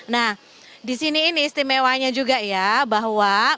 nah disini ini istimewanya juga ya bahwa